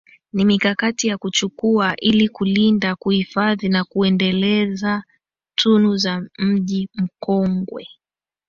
Ni mikakati ya kuchukua ili kulinda kuhifadhi na kuendeleza tunu za Mji Mkongwe